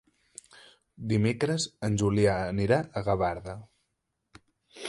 Dimecres en Julià anirà a Gavarda.